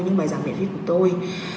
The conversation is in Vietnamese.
những bài giảng miễn phí của tôi